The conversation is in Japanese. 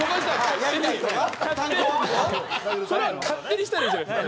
それは勝手にしたらいいじゃないですか。